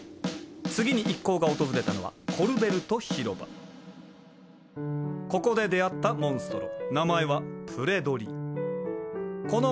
次に一行が訪れたのはここで出会ったモンストロ。